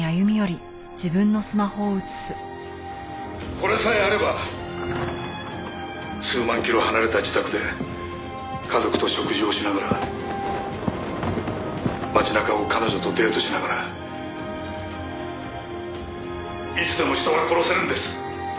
「これさえあれば数万キロ離れた自宅で家族と食事をしながら街中を彼女とデートしながらいつでも人が殺せるんです」